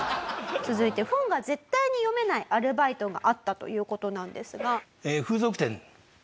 続いて本が絶対に読めないアルバイトがあったという事なんですが。